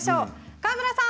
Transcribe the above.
川村さん！